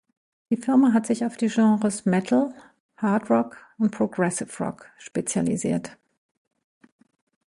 Die Firma hat sich auf die Genres Metal, Hard Rock und Progressive Rock spezialisiert.